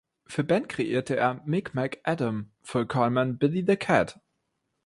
Für Benn kreierte er „Mic Mac Adam“, für Colman „Billy the Cat“.